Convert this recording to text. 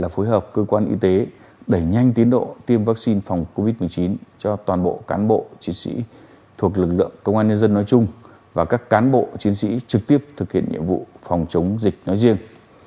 phối hợp cơ quan y tế đẩy nhanh tiến độ tiêm vaccine phòng covid một mươi chín cho toàn bộ cán bộ chiến sĩ thuộc lực lượng công an nhân dân nói chung và các cán bộ chiến sĩ trực tiếp thực hiện nhiệm vụ phòng chống dịch nói riêng